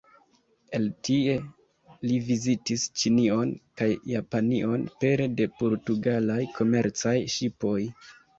El tie, li vizitis Ĉinion kaj Japanion pere de portugalaj komercaj ŝipoj.